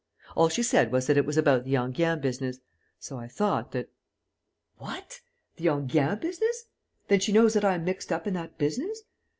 "All she said was that it was about the Enghien business.... So I thought that...." "What! The Enghien business! Then she knows that I am mixed up in that business....